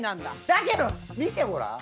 だけど見てごらん！